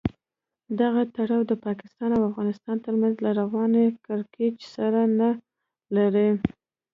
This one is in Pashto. دغه تړاو د پاکستان او افغانستان تر منځ له روان کړکېچ سره نه لري.